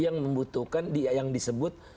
yang membutuhkan yang disebut